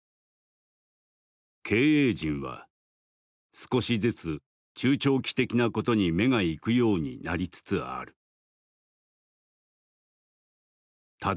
「経営陣は少しずつ中長期的なことに目がいくようになりつつある」。